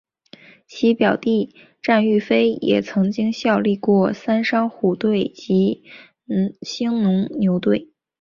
其表弟战玉飞也曾经效力过三商虎队及兴农牛队。